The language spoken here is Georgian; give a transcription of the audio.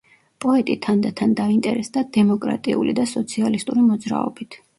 პოეტი თანდათან დაინტერესდა დემოკრატიული და სოციალისტური მოძრაობით.